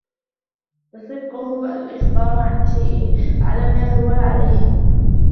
فَالصِّدْقُ هُوَ الْإِخْبَارُ عَنْ الشَّيْءِ عَلَى مَا هُوَ عَلَيْهِ